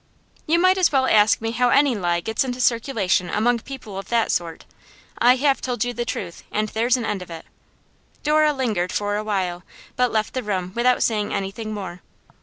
'You might as well ask me how any lie gets into circulation among people of that sort. I have told you the truth, and there's an end of it.' Dora lingered for a while, but left the room without saying anything more.